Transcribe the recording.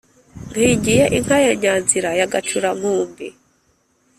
nkingiye inka ya nyanzira ya gacura-nkumbi,